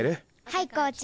はいコーチ。